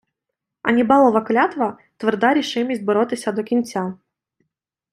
Аннібалова клятва — тверда рішимість боротися до кінця